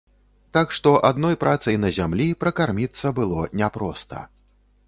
Так што адной працай на зямлі пракарміцца было не проста.